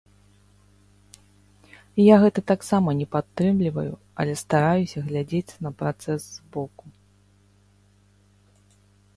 Я гэта таксама не падтрымліваю, але стараюся глядзець на працэс з боку.